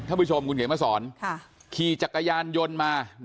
ผู้ชมคุณเขียนมาสอนขี่จักรยานยนต์มา